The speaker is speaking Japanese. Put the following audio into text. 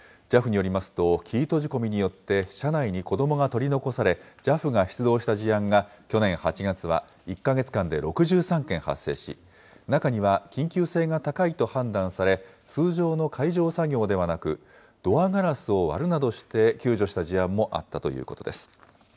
ＪＡＦによりますと、キー閉じ込みによって車内に子どもが取り残され、ＪＡＦが出動した事案が去年８月は１か月間で６３件発生し、中には緊急性が高いと判断され、通常の解錠作業ではなく、ドアガラスを割るなどして、救助した事案もあったということです。